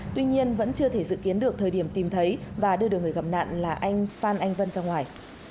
tuy nhiên vẫn chưa thể dự kiến được thời điểm tìm thấy và đưa được người gặp nạn là anh phan anh vân ra ngoài